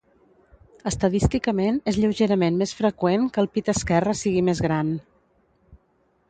Estadísticament és lleugerament més freqüent que el pit esquerre sigui més gran.